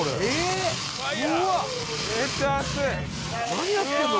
何やってるの？